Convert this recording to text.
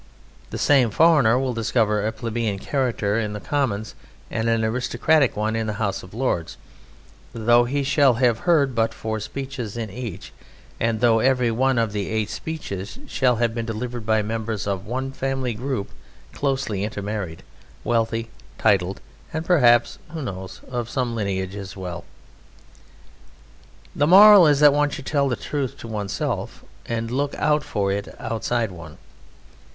The same foreigner will discover a plebeian character in the Commons and an aristocratic one in the House of Lords, though he shall have heard but four speeches in each, and though every one of the eight speeches shall have been delivered by members of one family group closely intermarried, wealthy, titled, and perhaps (who knows?) of some lineage as well. The moral is that one should tell the truth to oneself, and look out for it outside one.